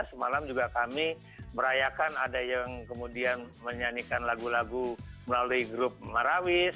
semalam juga kami merayakan ada yang kemudian menyanyikan lagu lagu melalui grup marawis